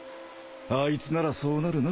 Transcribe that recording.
あいつならそうなるな。